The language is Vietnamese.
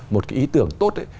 một cái ý tưởng tốt